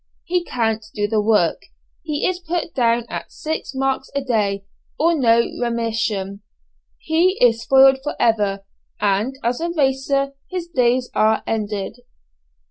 He can't do the work. He is put down at six marks a day, or no remission. He is spoiled for ever, and as a racer his days are ended.